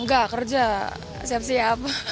enggak kerja siap siap